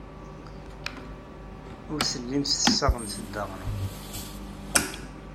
Ur tellimt tessaɣemt-d aɣrum.